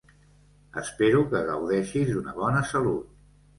Espero que gaudeixis d'una bona salut.